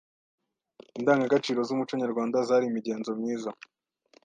“Indangagaciro z’umuco nyarwanda zari imigenzo myiza